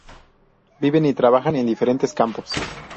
Vienen y trabajan en diferentes campos.